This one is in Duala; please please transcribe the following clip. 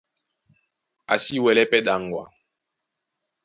A si wɛlɛ́ pɛ́ ɗaŋgwa.